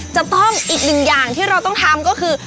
จะต้องอีกหนึ่งอย่างที่เราต้องทำก็คือ